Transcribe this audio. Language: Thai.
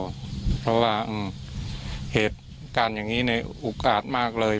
เพราะว่าเหตุการณ์อย่างนี้อุกอาจมากเลย